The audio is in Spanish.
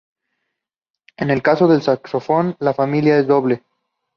En el caso del saxofón, la familia es doble.